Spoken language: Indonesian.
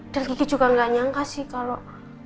dan gigi juga enggak nyangka sih kalau